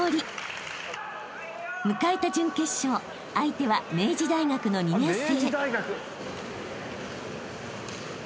［迎えた準決勝相手は明治大学の２年生］